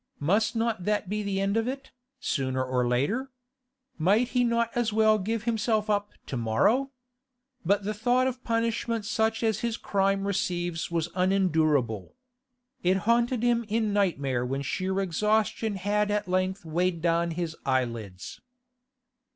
Must not that be the end of it, sooner or later? Might he not as well give himself up to morrow? But the thought of punishment such as his crime receives was unendurable. It haunted him in nightmare when sheer exhaustion had at length weighed down his eyelids.